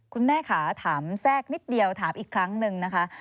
คุณแม่ค่ะถามแทรกนิดเดียวถามอีกครั้งหนึ่งนะคะ